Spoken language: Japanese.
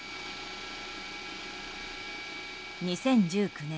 ２０１９年